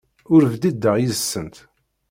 Ur bdideɣ yid-sent.